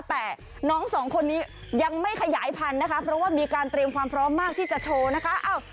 แต่น้องสองคนนี้ยังไม่ขยายพันธุ์นะคะเพราะว่ามีการเตรียมความพร้อมมากที่จะโชว์นะคะ